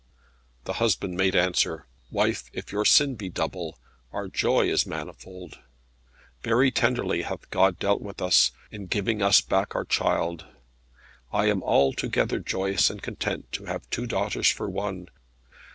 The husband made answer, "Wife, if your sin be double, our joy is manifold. Very tenderly hath God dealt with us, in giving us back our child. I am altogether joyous and content to have two daughters for one.